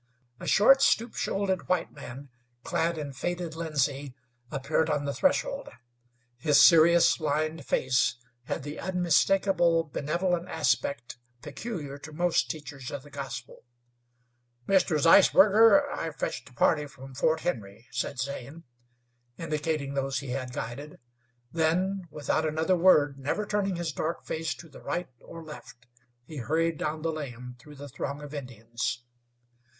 A short, stoop shouldered white man, clad in faded linsey, appeared on the threshold. His serious, lined face had the unmistakable benevolent aspect peculiar to most teachers of the gospel. "Mr. Zeisberger, I've fetched a party from Fort Henry," said Zane, indicating those he had guided. Then, without another word, never turning his dark face to the right or left, he hurried down the lane through the throng of Indians.